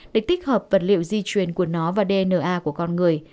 để tích hợp vật liệu di truyền của nó và dna của con người